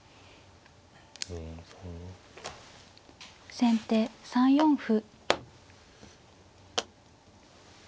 先手３四歩。